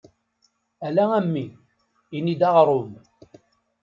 Ala a mmi, ini-d aɣrum.